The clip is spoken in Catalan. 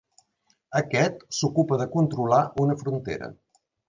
Aquest s'ocupa de controlar una frontera.